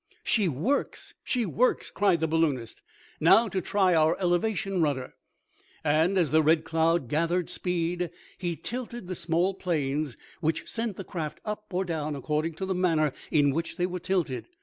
"She works! She works!" cried the balloonist. "Now to try our elevation rudder," and, as the Red Cloud gathered speed, he tilted the small planes which sent the craft up or down, according to the manner in which they were tilted.